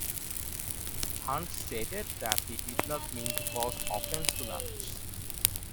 Hunt stated that he did not mean to cause offence to nuns.